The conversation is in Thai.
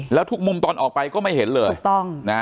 แล้วทุกมุมตอนออกไปก็ไม่เห็นเลยถูกต้องนะ